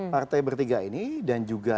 partai bertiga ini dan juga